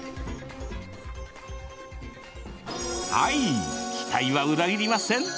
はい、期待は裏切りません。